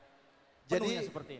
penuhnya seperti ini